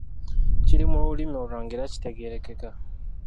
Kiri mu lulimi olwangu era kitegeerekeka.